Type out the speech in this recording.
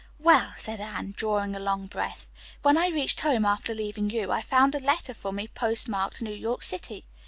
"Well," said Anne, drawing a long breath, "when I reached home after leaving you, I found a letter for me postmarked New York City.